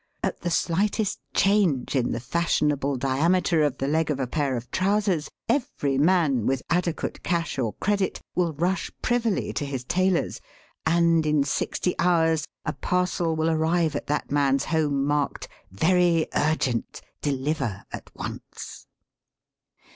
At the slightest change in the fashionable diameter of the leg of a pair of trousers every man with adequate cash or credit will rush privily to his tailor's, and in sixty hours a. parcel will arrive at that man's home marked : "Very urgent. De liver at once.